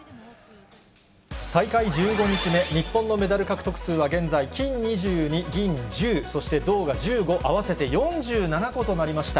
大会１５日目、日本のメダル獲得数は現在、金２２、銀１０、そして銅が１５、合わせて４７個となりました。